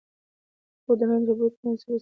د کور دننه رطوبت منځنی وساتئ.